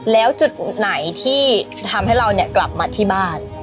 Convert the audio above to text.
แล้วจุดไหนที่จะทำให้เรากลับมาที่บ้าน